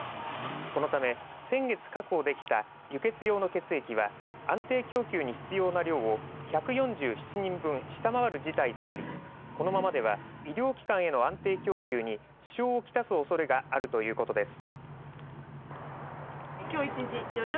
このため、先月確保できた輸血用の血液は安定供給に必要な量を１４７人分下回る事態となりこのままでは医療機関への安定供給に支障をきたすおそれがあるということです。